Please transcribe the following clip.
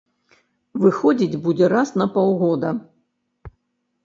Выходзіць будзе раз на паўгода.